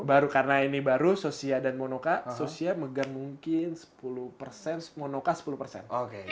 baru karena ini baru socia dan monoka sosia megang mungkin sepuluh persen monoka sepuluh persen